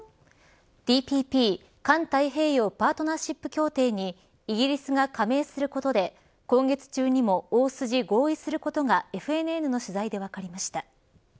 ＴＰＰ環太平洋パートナーシップ協定にイギリスが加盟することで今月中にも大筋合意することがＦＮＮの取材で分かりました。